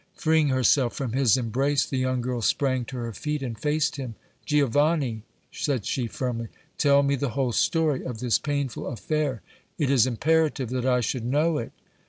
Freeing herself from his embrace, the young girl sprang to her feet and faced him. "Giovanni," said she, firmly, "tell me the whole story of this painful affair. It is imperative that I should know it!"